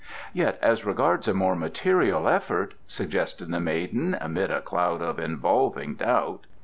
"Yet as regards a more material effort ?" suggested the maiden, amid a cloud of involving doubt.